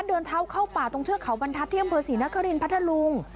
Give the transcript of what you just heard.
เดินเท้าเข้าป่าตรงเทือกเขาบรรทัศน์ที่อำเภอศรีนครินพัทธลุง